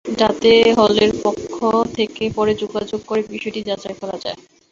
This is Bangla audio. যাতে হলের পক্ষ থেকে পরে যোগাযোগ করে বিষয়টি যাচাই করা যায়।